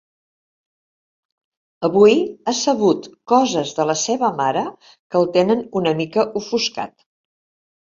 Avui ha sabut coses de la seva mare que el tenen una mica ofuscat.